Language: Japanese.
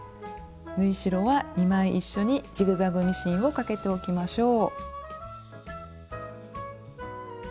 縫い代は２枚一緒にジグザグミシンをかけておきましょう。